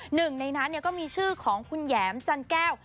หนึ่งในนั้นก็มีชื่อของคุณแหยมจันแก้ว